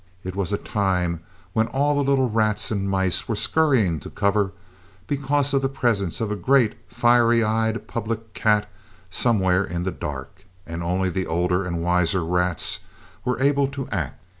It was a time when all the little rats and mice were scurrying to cover because of the presence of a great, fiery eyed public cat somewhere in the dark, and only the older and wiser rats were able to act.